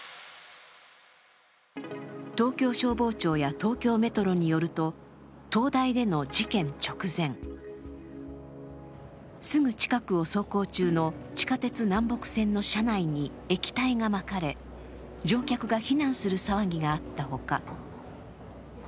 東京消防庁や東京メトロによると、東大での事件直前、すぐ近くを走行中の地下鉄南北線の車内に液体がまかれ、乗客が避難する騒ぎがあったほか